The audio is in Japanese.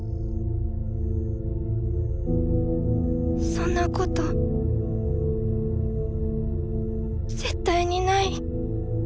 そんなこと絶対にない。